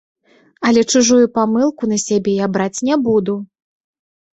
Але чужую памылку на сябе я браць не буду!